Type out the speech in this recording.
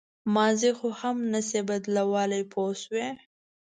ماضي خو هسې هم نه شئ بدلولی پوه شوې!.